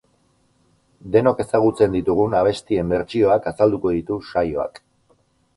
Denok ezagutzen ditugun abestien bertsioak azalduko ditu saioak.